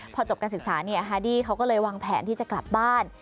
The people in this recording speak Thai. พอจบการศึกษาฮาดี้เขาก็เลยวางแผนที่จะกลับบ้าน